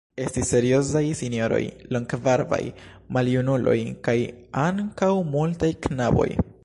Estis seriozaj sinjoroj, longbarbaj maljunuloj kaj ankaŭ multaj knaboj.